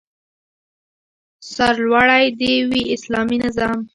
سرلوړی دې وي اسلامي نظام